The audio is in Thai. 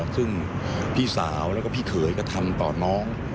คือพี่สาวและพี่เขยก็ทำต่อน้อง